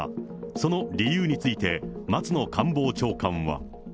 その理由について、松野官房長官は。